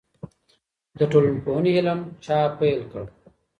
د ټولنپوهنې علم چا پیل کړ؟